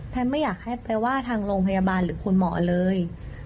ไม่อยากให้ไปว่าทางโรงพยาบาลหรือคุณหมอเลย